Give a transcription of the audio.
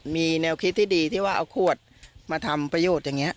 มีแนวคิดที่ดีที่ว่าเอาขวดมาทำประโยชน์อย่างนี้